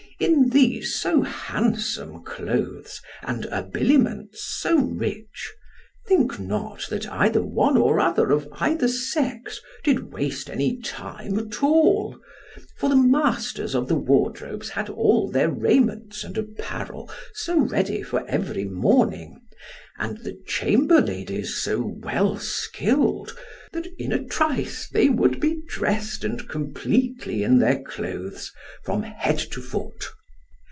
In these so handsome clothes, and habiliments so rich, think not that either one or other of either sex did waste any time at all; for the masters of the wardrobes had all their raiments and apparel so ready for every morning, and the chamber ladies so well skilled, that in a trice they would be dressed and completely in their clothes from head to foot.